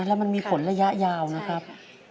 แล้วมันมีผลระยะยาวนะครับ